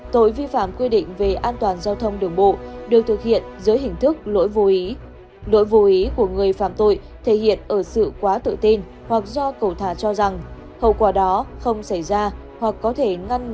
tội vi phạm quy định về an toàn giao thông bộ được thực hiện dưới hình thức lỗi vô ý